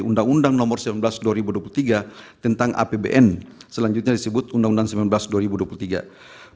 undang undang tiga belas dua ribu sebelas tentang penyeluruhan bantuan sosial